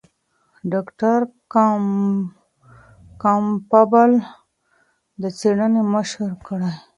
ډاکټر کمپبل د څېړنې مشري کړې.